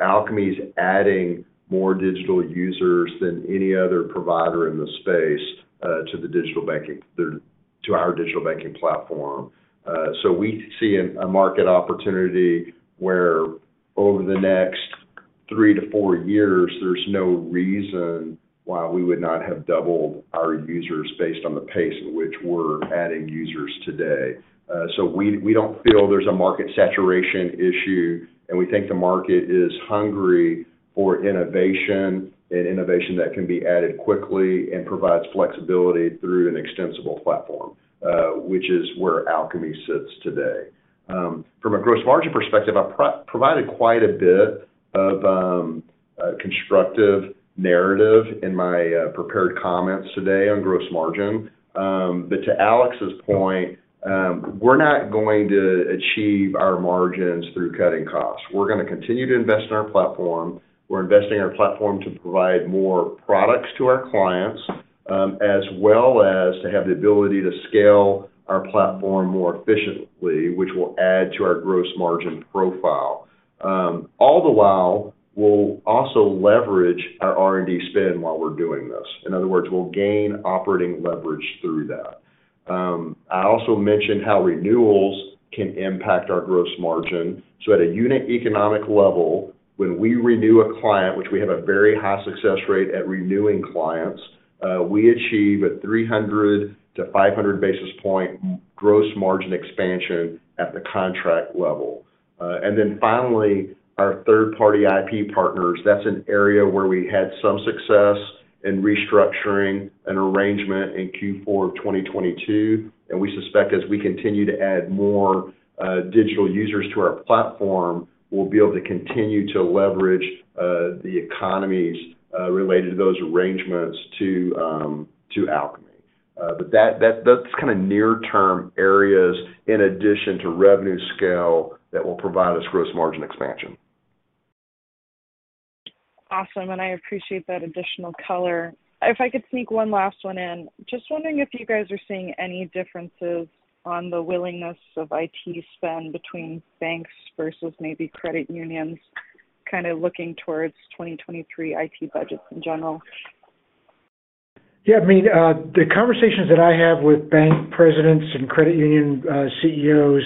Alkami's adding more digital users than any other provider in the space, to our digital banking platform. We see a market opportunity where over the next three to four years, there's no reason why we would not have doubled our users based on the pace at which we're adding users today. We, we don't feel there's a market saturation issue, and we think the market is hungry for innovation and innovation that can be added quickly and provides flexibility through an extensible platform, which is where Alkami sits today. From a gross margin perspective, I provided quite a bit of constructive narrative in my prepared comments today on gross margin. To Alex's point, we're not going to achieve our margins through cutting costs. We're gonna continue to invest in our platform. We're investing in our platform to provide more products to our clients, as well as to have the ability to scale our platform more efficiently, which will add to our gross margin profile. All the while, we'll also leverage our R&D spend while we're doing this. In other words, we'll gain operating leverage through that. I also mentioned how renewals can impact our gross margin. At a unit economic level, when we renew a client, which we have a very high success rate at renewing clients, we achieve a 300 to 500 basis point gross margin expansion at the contract level. Finally, our third-party IP partners, that's an area where we had some success in restructuring an arrangement in Q4 of 2022, and we suspect as we continue to add more digital users to our platform, we'll be able to continue to leverage the economies related to those arrangements to Alkami. That, that's kinda near-term areas in addition to revenue scale that will provide us gross margin expansion. Awesome, and I appreciate that additional color. If I could sneak one last one in. Just wondering if you guys are seeing any differences on the willingness of IT spend between banks versus maybe credit unions, kinda looking towards 2023 IT budgets in general? Yeah, I mean, the conversations that I have with bank presidents and credit union CEOs,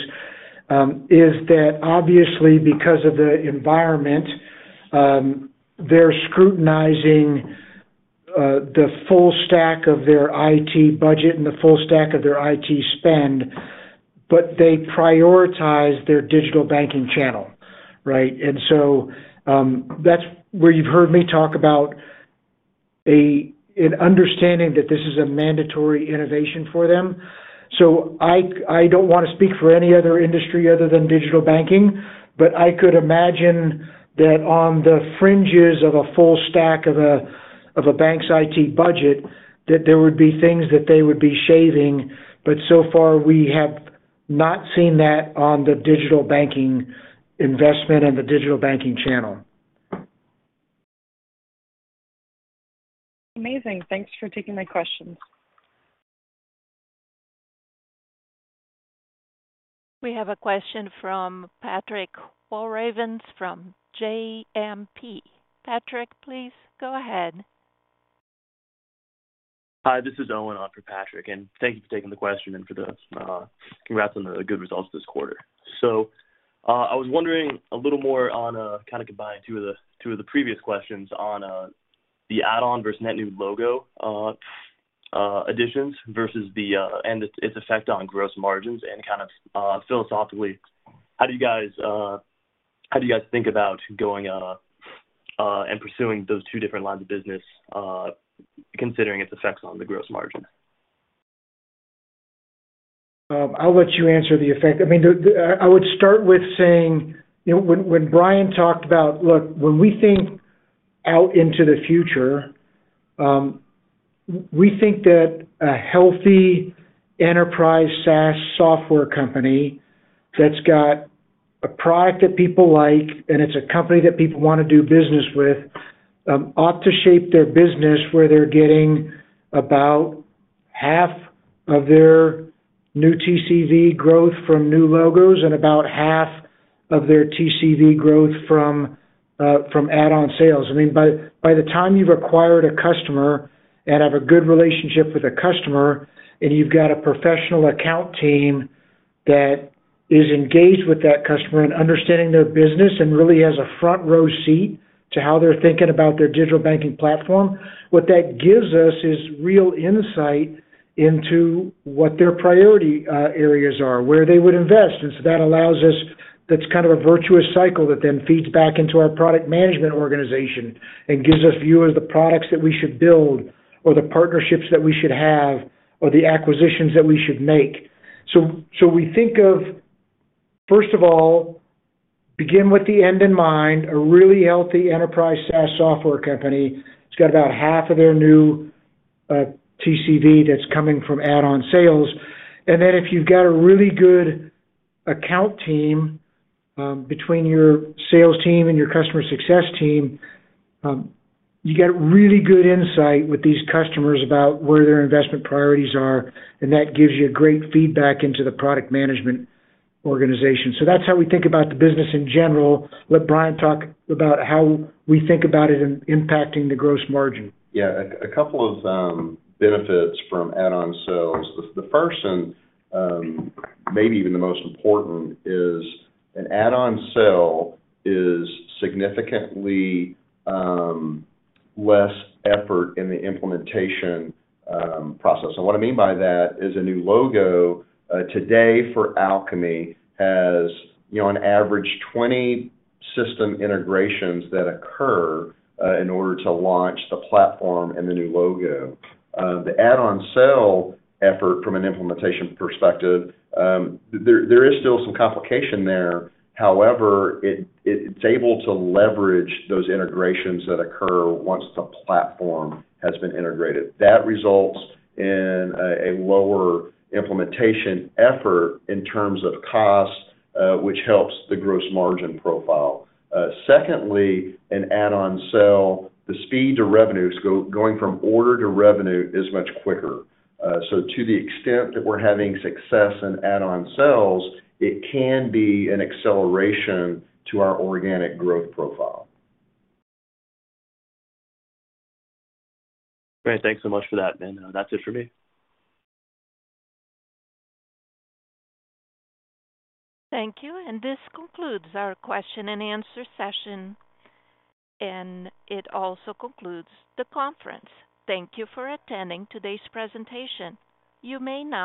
is that obviously because of the environment, they're scrutinizing the full stack of their IT budget and the full stack of their IT spend, but they prioritize their digital banking channel, right? That's where you've heard me talk about an understanding that this is a mandatory innovation for them. I don't wanna speak for any other industry other than digital banking, but I could imagine that on the fringes of a full stack of a bank's IT budget, that there would be things that they would be shaving. So far, we have not seen that on the digital banking investment and the digital banking channel. Amazing. Thanks for taking my questions. We have a question from Patrick Walravens from JMP. Patrick, please go ahead. Hi, this is Owen on for Patrick, and thank you for taking the question and for the, congrats on the good results this quarter. I was wondering a little more on, kinda combining two of the previous questions on, the add-on versus net new logo additions versus its effect on gross margins and kind of, philosophically, how do you guys think about going out and pursuing those two different lines of business, considering its effects on the gross margin? I'll let you answer the effect. I mean, I would start with saying, you know, when Bryan talked about, look, when we think out into the future, we think that a healthy enterprise SaaS software company that's got a product that people like, and it's a company that people wanna do business with, ought to shape their business where they're getting about half of their new TCV growth from new logos and about half of their TCV growth from add-on sales. I mean, by the time you've acquired a customer and have a good relationship with a customer, and you've got a professional account team that is engaged with that customer and understanding their business and really has a front-row seat to how they're thinking about their digital banking platform, what that gives us is real insight into what their priority areas are, where they would invest. That's kind of a virtuous cycle that then feeds back into our product management organization and gives us view of the products that we should build or the partnerships that we should have or the acquisitions that we should make. We think of, first of all, begin with the end in mind, a really healthy enterprise SaaS software company. It's got about half of their new TCV that's coming from add-on sales. If you've got a really good account team, between your sales team and your customer success team, you get really good insight with these customers about where their investment priorities are, and that gives you a great feedback into the product management organization. That's how we think about the business in general. Let Bryan talk about how we think about it in impacting the gross margin. Yeah. A couple of benefits from add-on sales. The first and maybe even the most important is an add-on sale is significantly less effort in the implementation process. What I mean by that is a new logo today for Alkami has, you know, on average 20 system integrations that occur in order to launch the platform and the new logo. The add-on sale effort from an implementation perspective, there is still some complication there. However, it's able to leverage those integrations that occur once the platform has been integrated. That results in a lower implementation effort in terms of cost, which helps the gross margin profile. Secondly, an add-on sale, the speed to revenues going from order to revenue is much quicker. To the extent that we're having success in add-on sales, it can be an acceleration to our organic growth profile. Great. Thanks so much for that. That's it for me. Thank you. This concludes our question and answer session, and it also concludes the conference. Thank you for attending today's presentation. You may now disconnect.